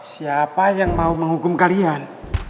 siapa yang mau menghukum kalian